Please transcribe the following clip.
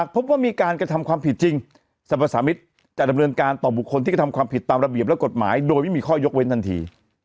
พบว่ามีการกระทำความผิดจริงสรรพสามิตรจะดำเนินการต่อบุคคลที่กระทำความผิดตามระเบียบและกฎหมายโดยไม่มีข้อยกเว้นทันที